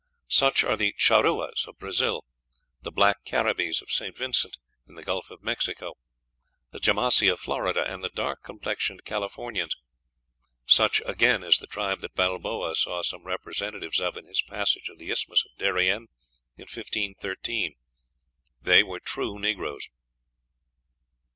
Such are the Charruas, of Brazil, the Black Carribees of Saint Vincent, in the Gulf of Mexico; the Jamassi of Florida, and the dark complexioned Californians.... Such, again, is the tribe that Balboa saw some representatives of in his passage of the Isthmus of Darien in 1513; ... they were true negroes."